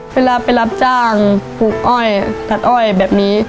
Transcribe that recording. เวลาไปรับจ้างปลูกอ้อยตัดอ้อยแบบนี้